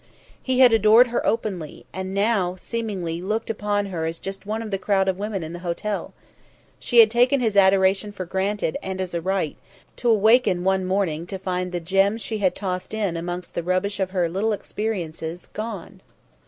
He had adored her openly, and now, seemingly, looked upon her as just one of the crowd of women in the hotel; she had taken his adoration for granted and as a right, to waken one morning to find the gem she had tossed in amongst the rubbish of her little experiences, gone!